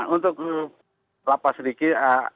untuk lapas sedikit